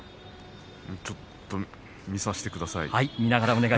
ちょっと見させてください。